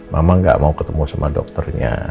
mama gak mau ketemu sama dokternya